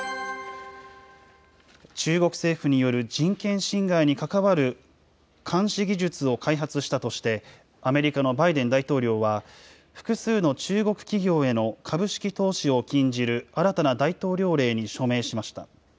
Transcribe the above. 中国政府による人権侵害に関わる監視技術を開発したとして、アメリカのバイデン大統領は、複数の中国企業への株式投資を禁じる新たな大統領令に署名しました。